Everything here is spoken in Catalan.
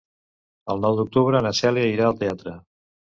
El nou d'octubre na Cèlia irà al teatre.